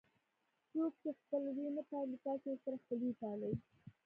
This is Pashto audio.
څوک چې خپلوي نه پالي تاسې ورسره خپلوي وپالئ.